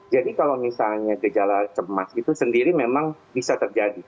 jadi kalau misalnya gejala cemas itu sendiri memang bisa terjadi